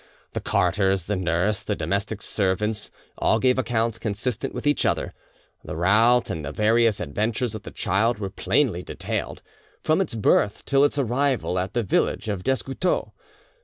The carters, the nurse, the domestic servants, all gave accounts consistent with each other; the route and the various adventures of the child were plainly detailed, from its birth till its arrival at the village of Descoutoux.